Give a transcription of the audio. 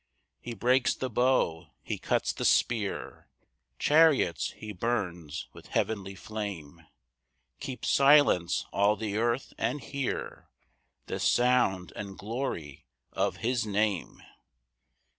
4 He breaks the bow, he cuts the spear, Chariots he burns with heavenly flame; Keep silence all the earth, and hear The sound and glory of his Name.